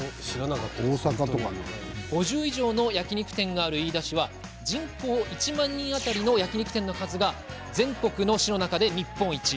５０以上の焼肉店がある飯田市は人口１万人当たりの焼肉店の数が全国の市の中で日本一！